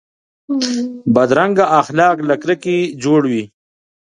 بدرنګه اخلاق له کرکې جوړ وي